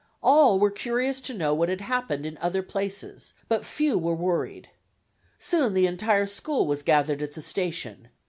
All were curious to know what had happened in other places, but few were worried. Soon the entire school was gathered at the station.